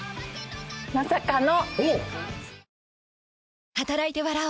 まさかの。